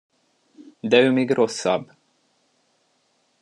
De ő még rosszabb!